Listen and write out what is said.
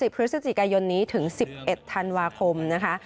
พฤศจิกายนนี้ถึง๑๑ธันวาคมนะคะ